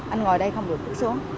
anh ngồi đây không được bước xuống